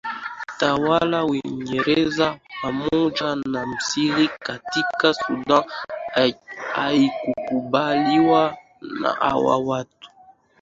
tawala ya uingereza pamoja na misri katika sudan haikukubaliwa na hawa watu